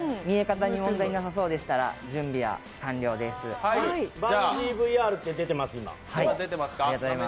見え方に問題がなさそうでしたら、準備は完了です。